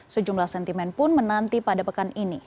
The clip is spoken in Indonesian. sejumlah sentimen pun menanti pada pekan ini